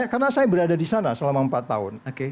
karena saya berada di sana selama empat tahun